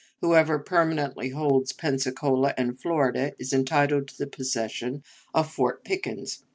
Whoever permanently holds Pensacola and Florida is entitled to the possession of Fort Pickens.